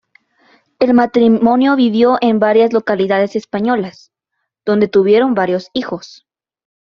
El matrimonio vivió en varias localidades españolas, donde tuvieron varios hijos.